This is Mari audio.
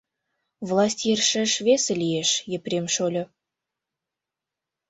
Власть йӧршеш весе лиеш, Епрем шольо.